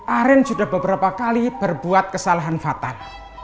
aren sudah beberapa kali berbuat kesalahan fatal